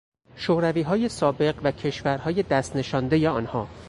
شورویهای سابق و کشورهای دست نشاندهی آنها